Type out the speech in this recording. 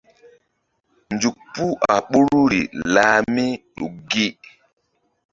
Nzuk puh a ɓoruri lah mí ɗuk gi.